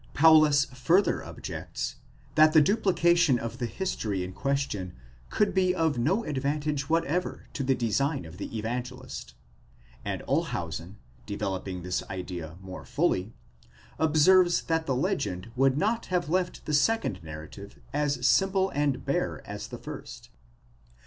Paulus further objects, that the duplication of the history in question could be of no advantage whatever to the design of the Evangelist ; and Olshausen, developing this idea more fully, observes that the legend would not have left the second narrative as simple and bare as the first.